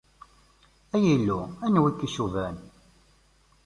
Ay Illu, anwa i k-icban?